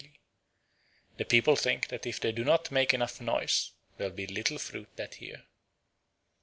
The people think that if they do not make enough noise, there will be little fruit that year.